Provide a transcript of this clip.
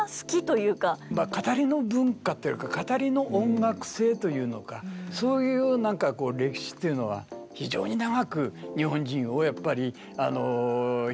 まあ語りの文化っていうよりか語りの音楽性というのかそういう何か歴史というのは非常に長く日本人をやっぱり引っ張ってきたんだと思いますね。